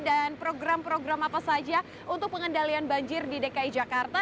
dan program program apa saja untuk pengendalian banjir di dki jakarta